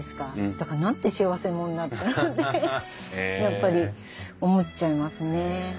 だからなんて幸せ者なんだろうってやっぱり思っちゃいますね。